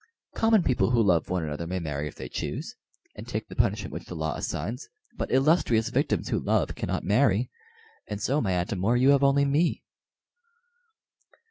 Common people who love one another may marry if they choose, and take the punishment which the law assigns but illustrious victims who love cannot marry, and so, my Atam or, you have only me."